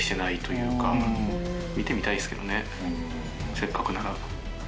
せっかくなら。